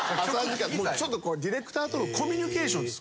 ちょっとこうディレクターとのコミュニケーションです。